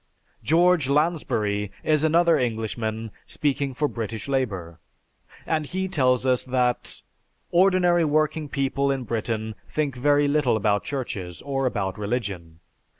George Lansbury is another Englishman speaking for British Labor, and he tells us that, "Ordinary working people in Britain think very little about Churches, or about religion.